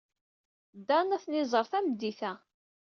Dan ad tent-iẓer tameddit-a.